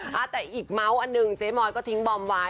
แต่อีกเมาส์อันหนึ่งเจ๊มอยก็ทิ้งบอมไว้